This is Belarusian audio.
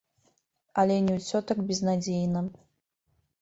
Але не ўсё так безнадзейна.